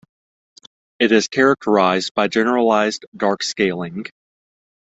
It is characterized by generalized dark scaling.